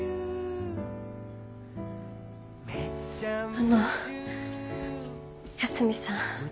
あの八海さん。